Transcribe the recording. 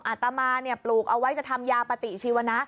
อาตมาปลูกเอาไว้จะทำยาปฏิชีวนะ